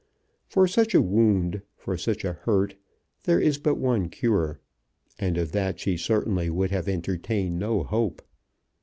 For such a wound, for such a hurt, there is but one cure, and of that she certainly would have entertained no hope.